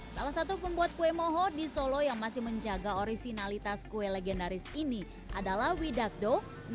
salah satu pembuat kue moho di solo yang masih menjaga orisinalitas kue legendaris ini adalah widakdo